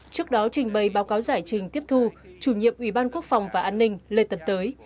trước đó trình bày báo cáo giải trình tiếp thu chủ nhiệm ủy ban quốc phòng và an ninh lê tật tới